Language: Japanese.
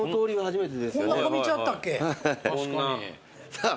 さあ。